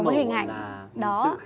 cái hình ảnh đó